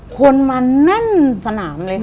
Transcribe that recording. คนมาแน่นสนามเลยค่ะ